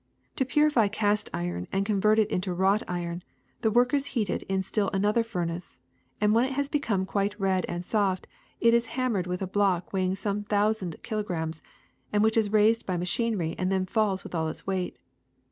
To purify cast iron and con vert it into wrought iron, the workers heat it in still another furnace; and when it has become quite red and soft it is hammered with a block weighing some thousands of kilograms, and which is raised by ma chinery and then falls with all its weight.